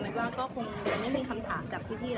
แมทว่าก็คงไม่มีคำถามจากพี่แล้วล่ะ